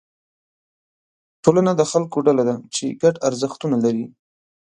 ټولنه د خلکو ډله ده چې ګډ ارزښتونه لري.